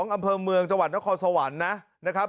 อำเภอเมืองกทศวรรณนะครับ